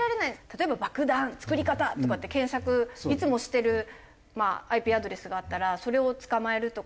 例えば「爆弾作り方」とかって検索いつもしてるＩＰアドレスがあったらそれを捕まえるとか。